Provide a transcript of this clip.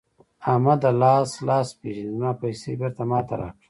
احمده؛ لاس لاس پېژني ـ زما پيسې بېرته ما ته راکړه.